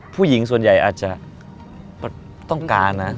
ผู้หญิงส่วนใหญ่อาจจะต้องการนะ